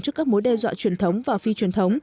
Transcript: trước các mối đe dọa truyền thống và phi truyền thống